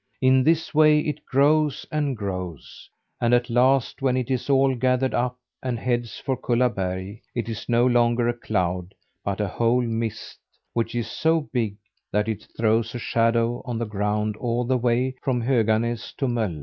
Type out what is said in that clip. In this way it grows and grows. And at last, when it is all gathered up and heads for Kullaberg, it is no longer a cloud but a whole mist, which is so big that it throws a shadow on the ground all the way from Höganäs to Mölle.